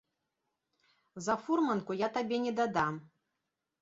За фурманку я табе недадам.